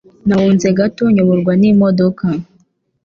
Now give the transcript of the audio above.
Nahunze gato nayoborwa n'imodoka